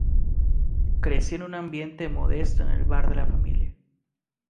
Creció en un ambiente modesto en el bar de la familia.